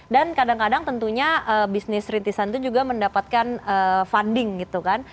kadang kadang tentunya bisnis rintisan itu juga mendapatkan funding gitu kan